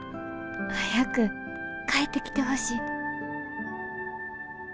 早く帰ってきてほしい」。